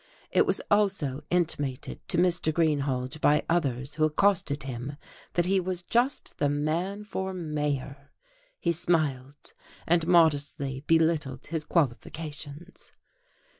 It was also intimated to Mr. Greenhalge by others who accosted him that he was just the man for mayor. He smiled, and modestly belittled his qualifications....